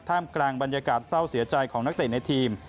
กลางบรรยากาศเศร้าเสียใจของนักเตะในทีม